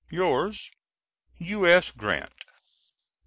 Yours, U.S. GRANT.